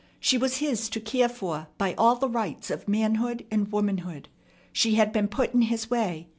She was his to care for by all the rights of manhood and womanhood. She had been put in his way.